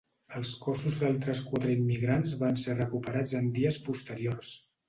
Els cossos d'altres quatre immigrants van ser recuperats en dies posteriors.